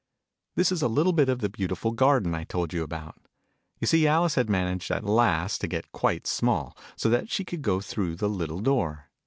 This is a little bit of the beautiful garden I told you about. You see Alice had managed at last to get quite small, so that she could go through the little door.